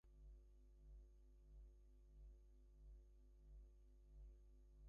He then left for Tehran, appointing a former Zand commander to govern Isfahan.